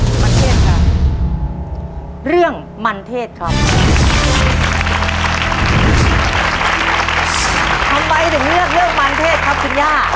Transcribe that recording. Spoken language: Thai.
ทำไมถึงเลือกเรื่องมันเทศครับคุณย่า